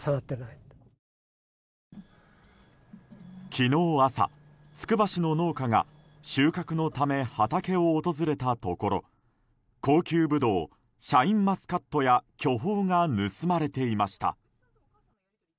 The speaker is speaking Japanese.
昨日朝、つくば市の農家が収穫のため畑を訪れたところ高級ブドウシャインマスカットや巨峰が盗まれていました。